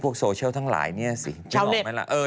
พวกโซเชียลทั้งหลายเนี่ยสิ